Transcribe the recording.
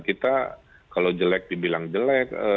kita kalau jelek dibilang jelek